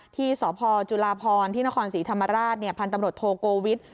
ที่สพจุลาพรที่นครศรีธรรมราชพันธุ์ตำรวจโทโกวิท